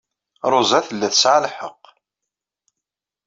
Ṛuza tella tesɛa lḥeqq.